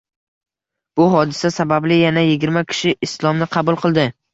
Bu hodisa sababli yana yigirma kishi Islomni qabul qildi